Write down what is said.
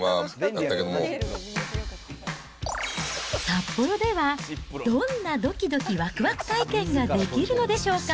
札幌では、どんなどきどきわくわく体験ができるのでしょうか。